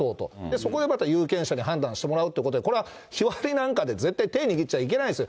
そこでまた有権者で判断してもらうということで、これは日割りなんかで絶対手握っちゃいけないですよ。